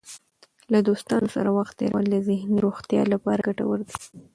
له دوستانو سره وخت تېرول د ذهني روغتیا لپاره ګټور دی.